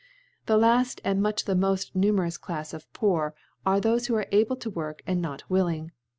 The laft, and much the moft numerous Clafi of Poor^ are thofe who are able to work, and not wilting.